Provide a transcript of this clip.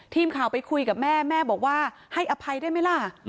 ทีมข่าวไปคุยกับแม่แม่บอกว่าให้อภัยได้ไหมล่ะ